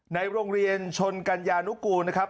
ในโรงเรียนชนกัญญานุกูลนะครับ